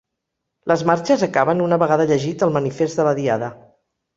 Les marxes acaben una vegada llegit el manifest de la Diada.